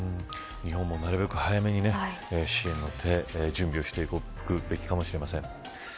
日本もなるべく早めに支援の手の準備をしておくべきかもしれません。